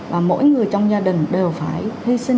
và mỗi người trong gia đình đều phải